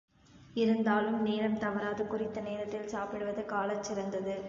இருந்தாலும், நேரம் தவறாது குறித்த நேரத்தில் சாப்பிடுவது சாலச் சிறந்தது.